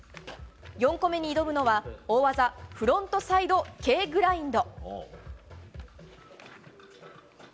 ４個目に挑むのは大技フロントサイドＫグラインド。